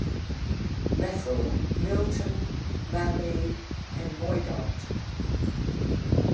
Methil, Milton, Mallaig and Moidart.